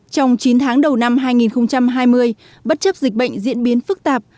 trong chín tháng đầu năm hai nghìn hai mươi bất chấp dịch bệnh diễn biến phức tạp